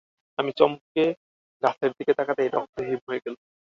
আমি চমকে গাছের দিকে তাকাতেই রক্ত হিম হয়ে গেল।